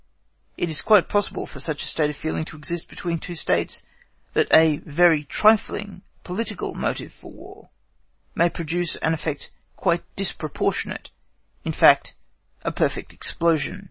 It is quite possible for such a state of feeling to exist between two States that a very trifling political motive for War may produce an effect quite disproportionate—in fact, a perfect explosion.